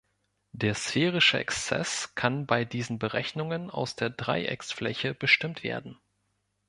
Der sphärische Exzess kann bei diesen Berechnungen aus der Dreiecksfläche bestimmt werden.